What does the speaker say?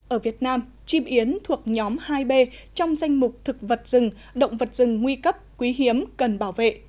ở việt nam chim yến thuộc nhóm hai b trong danh mục thực vật rừng động vật rừng nguy cấp quý hiếm cần bảo vệ